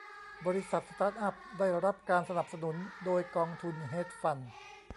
บริษัทสตาร์ตอัพได้รับการสนับสนุนโดยกองทุนเฮดจ์ฟันด์